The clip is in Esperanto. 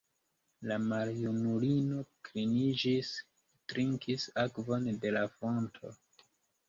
La maljunulino kliniĝis, trinkis akvon de la fonto.